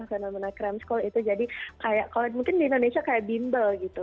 fenomena crime school itu jadi kayak kalau mungkin di indonesia kayak bimbel gitu